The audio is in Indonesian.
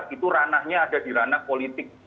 itu ranahnya ada di ranah politik